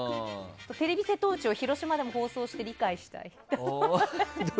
テレビせとうちでも広島でも放送して理解したい。